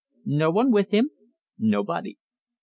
"No one with him?" "Nobody."